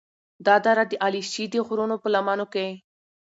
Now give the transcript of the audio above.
دا دره د علیشي د غرونو په لمنو کې